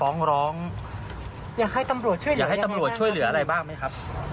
เออพูดไม่รู้เรื่องอ่า